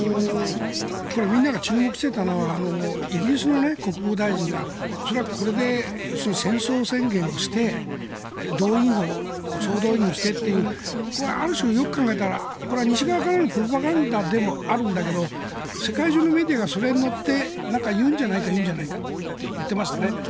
これみんなが注目していたのはイギリスの国防大臣が恐らくこれで戦争宣言をして総動員をしてというこれはある種、よく考えたら西側からのプロパガンダでもあるんだけど世界中のメディアがそれに乗って言うんじゃないかって言ってましたね。